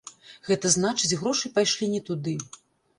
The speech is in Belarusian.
Гэта значыць, грошы пайшлі не туды.